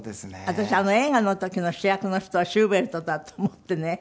私映画の時の主役の人をシューベルトだと思ってね